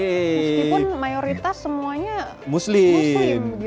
meskipun mayoritas semuanya muslim